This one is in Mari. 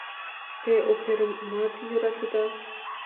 — Те оперымат йӧратеда?